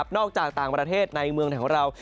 นอกจากต่างประเทศในเมืองแถวเรา